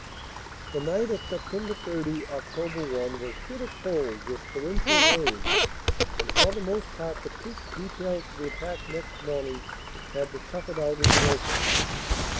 The night of Sept. 30 Oct. 1 was bitter cold with torrential rains, and for the most part the troops detailed for the attack next morning had to tough it out in the open.